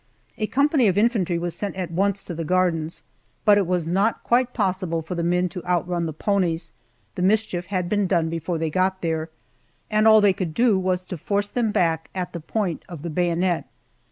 A company of infantry was sent at once to the gardens, but as it was not quite possible for the men to outrun the ponies, the mischief had been done before they got there, and all they could do was to force them back at the point of the bayonet.